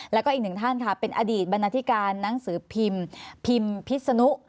แล้วก็อีกหนึ่งท่านค่ะเป็นอดีตบรรณาธิการหนังสือพิมพ์พิมพิษนุ